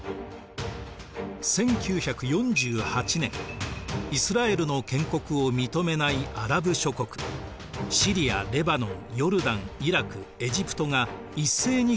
１９４８年イスラエルの建国を認めないアラブ諸国シリアレバノンヨルダンイラクエジプトが一斉に軍を送りました。